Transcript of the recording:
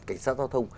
cảnh sát giao thông